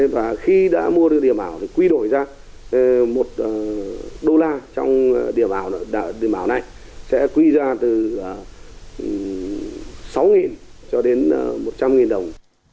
và khi đã mua được điểm ảo thì quy đổi ra một đô la trong điểm ảo này sẽ quy ra từ sáu cho đến một trăm linh đồng